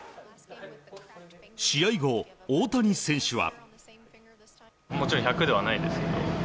試合後、大谷選手は。